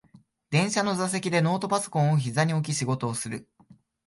電車の座席でノートパソコンをひざに置き仕事をする